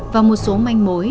và một số manh mối